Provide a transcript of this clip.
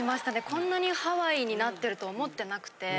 こんなにハワイになってると思ってなくて。